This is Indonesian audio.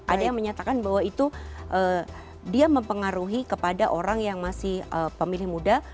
ada yang menyatakan bahwa itu dia mempengaruhi kepada orang yang masih pemilih muda